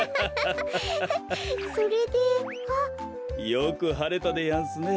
よくはれたでやんすね。